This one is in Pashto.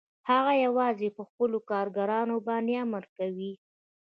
هغه یوازې په خپلو کارګرانو باندې امر کوي